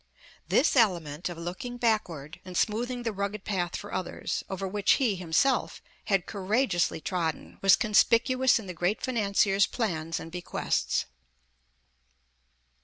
'' This element of looking backward, and smoothing the rugged path for others, over which he, himself, had courageously trodden, was conspicuous in the great financier's plans and bequests.